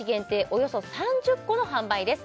およそ３０個の販売です